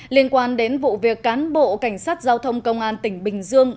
liên quan đến vụ việc cán bộ cảnh sát giao thông công an tỉnh bình dương